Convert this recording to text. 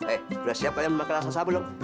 eh sudah siap kalian makan asasah belum